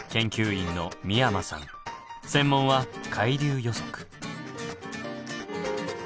専門は海流予測。